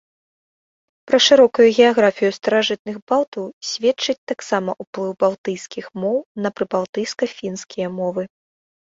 Пра шырокую геаграфію старажытных балтаў сведчыць таксама ўплыў балтыйскіх моў на прыбалтыйска-фінскія мовы.